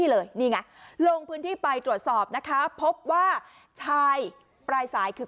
นี่เลยนี่ไงลงพื้นที่ไปตรวจสอบนะคะพบว่าชายปลายสายคือ